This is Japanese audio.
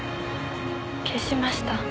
消しました。